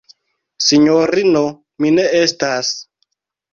Sinjorino, mi ne estas.